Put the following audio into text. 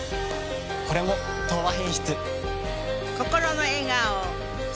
これも「東和品質」。